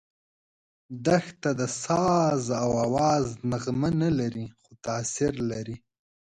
دښته د ساز او آواز نغمه نه لري، خو تاثیر لري.